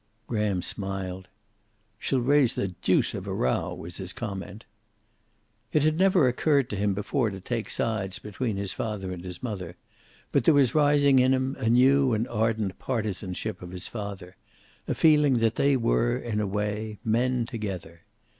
Graham smiled. "She'll raise the deuce of a row," was his comment. It had never occurred to him before to take sides between his father and his mother, but there was rising in him a new and ardent partisanship of his father, a feeling that they were, in a way, men together.